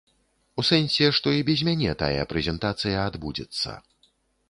У сэнсе, што і без мяне тая прэзентацыя адбудзецца.